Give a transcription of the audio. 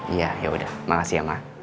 iya yaudah makasih ya ma